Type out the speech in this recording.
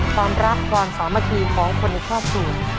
ความรักความสามัคคีของคนในครอบครัว